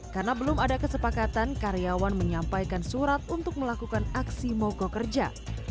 karena belum ada kesepakatan karyawan menyampaikan surat untuk melakukan aksi moko kerja